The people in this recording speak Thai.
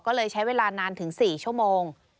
ก็เลยใช้เวลานานถึง๔ชั่วโมง